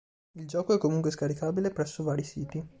Il gioco è comunque scaricabile presso vari siti.